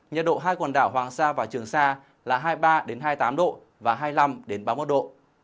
nhiệt độ hai quần đảo hoàng sa và trường sa là hai mươi ba hai mươi tám độ và hai mươi năm ba mươi một độ